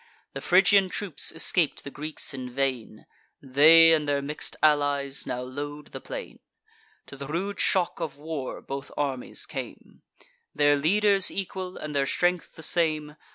The Phrygian troops escap'd the Greeks in vain: They, and their mix'd allies, now load the plain. To the rude shock of war both armies came; Their leaders equal, and their strength the same.